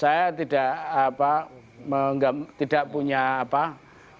saya tidak apa tidak punya apa tidak punya alasan aja